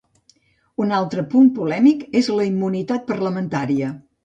Un altre punt polèmic és la immunitat parlamentària.